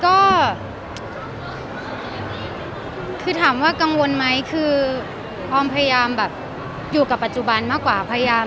ก็คือถามว่ากังวลไหมคือพร้อมพยายามอยู่กับปัจจุบันมากกว่า